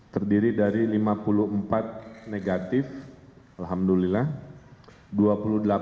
terdiri dari lima puluh empat negatif alhamdulillah